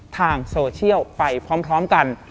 ทางโซเชียลไปพร้อมกัน